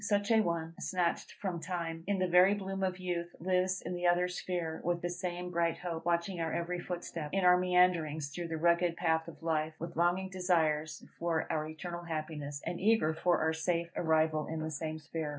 Such a one, snatched from time in the very bloom of youth, lives in the other sphere, with the same bright hope, watching our every footstep, in our meanderings through the rugged path of life, with longing desires for our eternal happiness, and eager for our safe arrival in the same sphere.